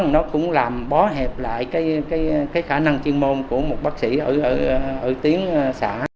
nó cũng làm bó hẹp lại khả năng chuyên môn của một bác sĩ ở tuyến xã